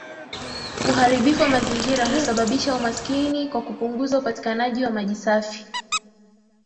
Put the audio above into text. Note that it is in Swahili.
Uharibifu wa mazingira husababisha umaskini kwa kupunguza upatikanaji wa maji safi